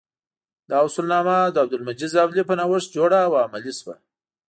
دا اصولنامه د عبدالمجید زابلي په نوښت جوړه او عملي شوه.